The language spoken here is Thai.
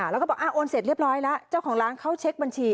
แล้วก็บอกโอนเสร็จเรียบร้อยแล้วเจ้าของร้านเขาเช็คบัญชี